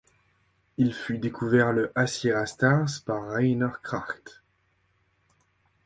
Il fut découvert le à Sierra Stars par Rainer Kracht.